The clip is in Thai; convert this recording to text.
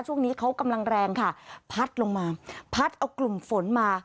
ช่วงนี้เขากำลังแรงค่ะพัดลงมาพัดเอากลุ่มฝนมา